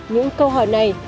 những câu hỏi này